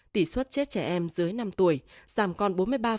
tỷ suất chết trẻ em dưới năm tuổi giảm còn bốn mươi ba